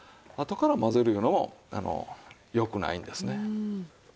あとから混ぜるいうのも良くないんですね。